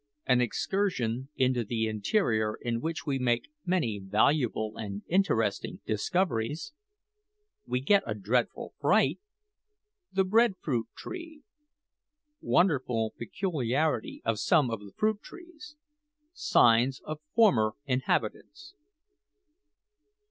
AN EXCURSION INTO THE INTERIOR IN WHICH WE MAKE MANY VALUABLE AND INTERESTING DISCOVERIES WE GET A DREADFUL FRIGHT THE BREAD FRUIT TREE WONDERFUL PECULIARITY OF SOME OF THE FRUIT TREES SIGNS OF FORMER INHABITANTS.